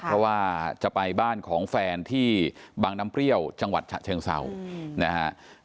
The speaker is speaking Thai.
เพราะว่าจะไปบ้านของแฟนที่บางน้ำเปรี้ยวจังหวัดฉะเชิงเศร้านะฮะ